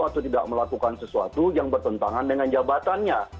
atau tidak melakukan sesuatu yang bertentangan dengan jabatannya